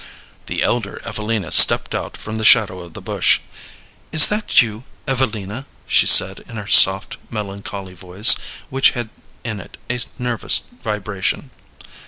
The elder Evelina stepped out from the shadow of the bush. "Is that you, Evelina?" she said, in her soft, melancholy voice, which had in it a nervous vibration.